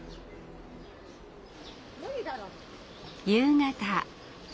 夕方。